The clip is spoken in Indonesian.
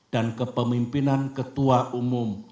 dan kepemimpinan ketua umum